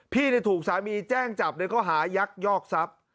พี่ถูกสามีแจ้งจับในข้อหายักยอกทรัพย์